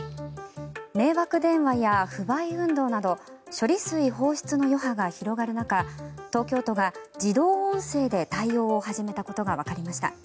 迷惑電話や不買運動など処理水放出の余波が広がる中東京都が自動音声で対応を始めたことがわかりました。